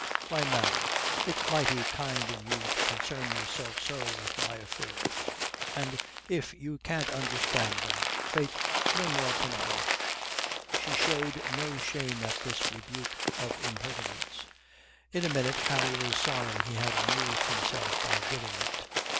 "Why, ma'am, it's mighty kind in you to concern yourself so with my affairs. And if you can't understand them, faith, no more can I." She showed no shame at this rebuke of impertinence. In a minute Harry was sorry he had amused himself by giving it.